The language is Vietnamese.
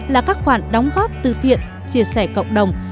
là các khoản đóng góp từ thiện chia sẻ cộng đồng